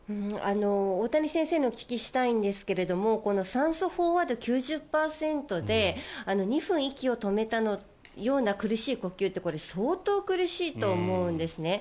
大谷先生にお聞きしたいんですが酸素飽和度９０％で２分息を止めたような苦しい呼吸ってこれ相当苦しいと思うんですね。